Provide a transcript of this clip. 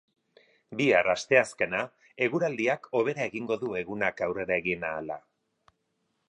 Bihar, asteazkena, eguraldiak hobera egingo du egunak aurrera egin ahala.